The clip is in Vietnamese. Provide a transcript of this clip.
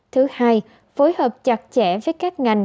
thứ hai phối hợp chặt chẽ với các ngành